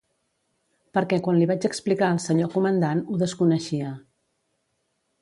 Perquè quan li vaig explicar al senyor Comandant, ho desconeixia.